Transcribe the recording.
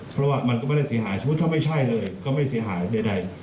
เพราะว่ามันก็ไม่ได้เสียหายสมมุติถ้าไม่ใช่เลยก็ไม่เสียหายใด